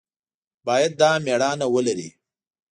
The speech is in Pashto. باید دا مېړانه ولري.